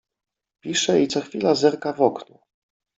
Pisze i co chwila zerka w okno.